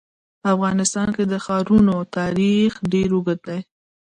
په افغانستان کې د ښارونو تاریخ ډېر اوږد دی.